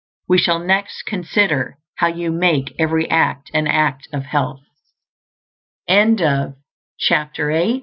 We shall next consider how you may make every act an act of health. CHAPTER IX.